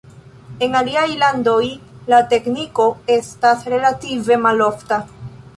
En aliaj landoj, la tekniko estas relative malofta.